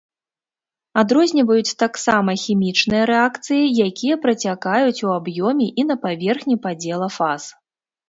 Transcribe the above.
Адрозніваюць таксама хімічныя рэакцыі, якія працякаюць у аб'ёме і на паверхні падзела фаз.